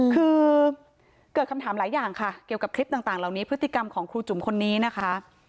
คือเกิดคำถามหลายอย่างค่ะเกี่ยวกับคลิปต่างเหล่านี้พฤติกรรมของครูจุ๋มคนนี้นะคะ